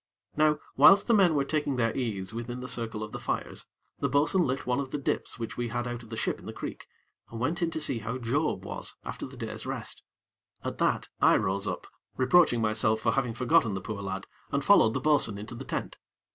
Now, whilst the men were taking their ease within the circle of the fires, the bo'sun lit one of the dips which we had out of the ship in the creek, and went in to see how Job was, after the day's rest. At that, I rose up, reproaching myself for having forgotten the poor lad, and followed the bo'sun into the tent.